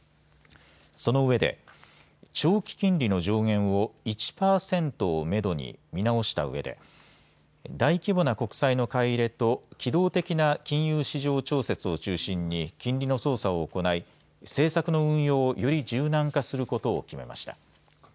そのうえで長期金利の上限を１％をめどに見直したうえで大規模な国債の買い入れと機動的な金融市場調節を中心に金利の操作を行い政策の運用をより柔軟化することを決めました。